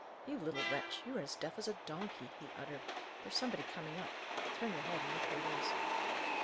"You little wretch, you are as deaf as a donkey!" he uttered. "There's somebody coming up. Turn your head, and look who it is."